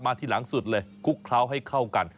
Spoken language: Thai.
ที่หลังสุดเลยคลุกเคล้าให้เข้ากัน